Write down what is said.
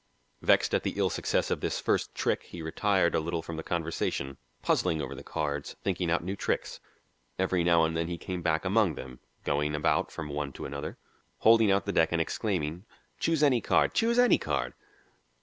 Vexed at the ill success of this first trick, he retired a little from their conversation, puzzling over the cards, thinking out new tricks. Every now and then he came back among them, going about from one to another, holding out the deck and exclaiming, "Choose any card choose any card."